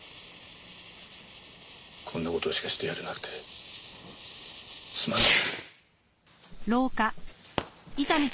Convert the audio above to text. こんな事しかしてやれなくてすまんな。